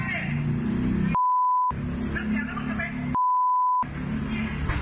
เป็นสิ่งที่เราไม่มี